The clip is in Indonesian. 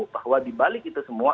bahwa di balik itu semua